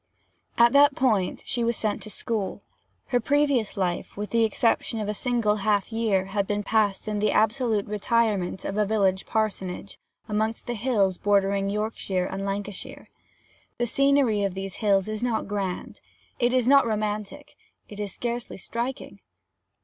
At that period she was sent to school. Her previous life, with the exception of a single half year, had been passed in the absolute retirement of a village parsonage, amongst the hills bordering Yorkshire and Lancashire. The scenery of these hills is not grand it is not romantic it is scarcely striking.